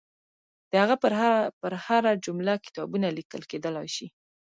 د هغه پر هره جمله کتابونه لیکل کېدلای شي.